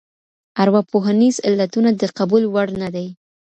ارواپوهنیز علتونه د قبول وړ نه دي.